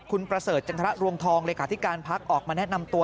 คุณประเสริฐจันทรรวงทองเลขาธิการพักออกมาแนะนำตัว